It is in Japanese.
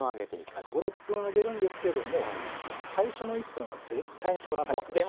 はい５６分揚げるんですけども最初の１分は絶対に触らないで下さいね。